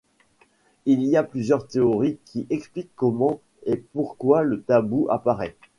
Il y a plusieurs théories qui expliquent comment et pourquoi le tabou apparaît.